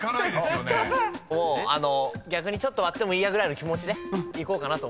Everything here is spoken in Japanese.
逆に割ってもいいやぐらいの気持ちでいこうかなと思います。